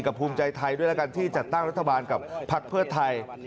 ภูมิใจไทยด้วยแล้วกันที่จัดตั้งรัฐบาลกับพักเพื่อไทย